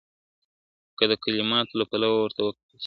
که د کلماتو له پلوه ورته وکتل سي `